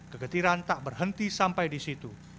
kegetiran tak berhenti sampai di situ